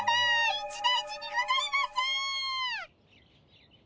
一大事にございます！